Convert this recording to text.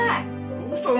どうしたの？